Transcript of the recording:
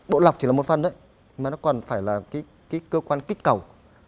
bộ lọc chỉ là một phần mà nó còn phải là cái cơ quan kích cầu